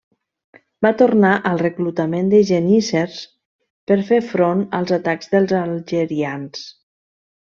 Va tornar al reclutament de geníssers, per fer front als atacs dels algerians.